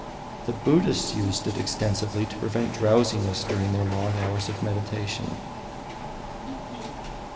The Buddhists used it extensively to prevent drowsiness during their long hours of meditation.